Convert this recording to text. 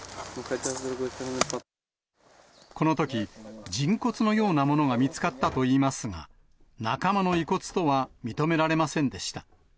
このとき、人骨のようなものが見つかったといいますが、仲間の遺骨とは認められませんでした。